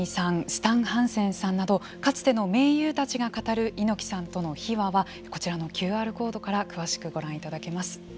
スタン・ハンセンさんなどかつての盟友たちが語る猪木さんとの秘話はこちらのＱＲコードから詳しくご覧いただけます。